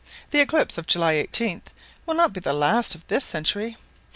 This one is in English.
The eclipse of July 18th will not be the last of this century."